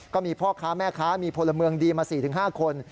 ก็มีพ่อค้าแม่ค้ามีพลเมืองดีมา๔๕คน